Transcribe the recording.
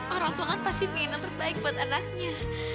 orang tua kan pasti pengen yang terbaik buat anaknya